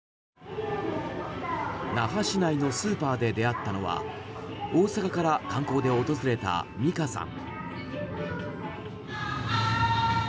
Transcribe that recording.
那覇市内のスーパーで出会ったのは大阪から観光で訪れたみかさん。